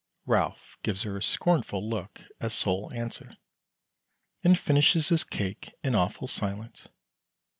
Ralph gives her a scornful look as sole answer, and finishes his cake in awful silence.